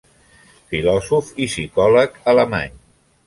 Filòsof i psicòleg alemany.